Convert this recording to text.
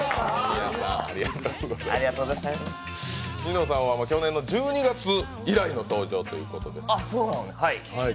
ニノさんは去年の１２月以来の登場ということです。